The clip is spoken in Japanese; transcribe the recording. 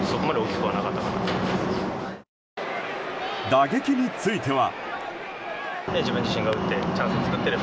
打撃については。